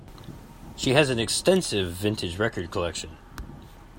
She has an extensive vintage record collection.